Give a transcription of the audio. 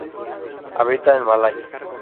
Habita en Malay.